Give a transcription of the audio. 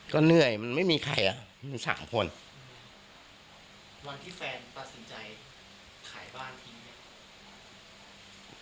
ก็เหนื่อยมันไม่มีใครอ่ะมันสามคนวันที่แฟนตัดสินใจขายบ้านทิ้งเนี่ย